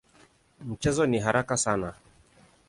Mchezo ni haraka sana.